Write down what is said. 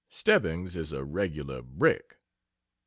Stebbings is a regular brick.